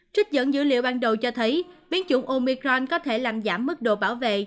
trích dẫn dữ liệu ban đầu cho thấy biến chủng omicron có thể làm giảm mức độ bảo vệ